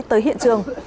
tới hiện trường